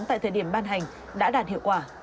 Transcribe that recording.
tại thời điểm ban hành đã đạt hiệu quả